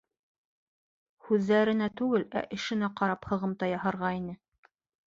Һүҙҙәренә түгел, ә эшенә ҡарап һығымта яһарға ине.